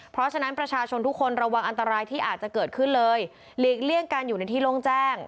เพราะฉะนั้นประชาชนทุกคนระวังอันตรายที่อาจจะเกิดขึ้นเลยหลีกเลี่ยงการอยู่ในที่โล่งแจ้ง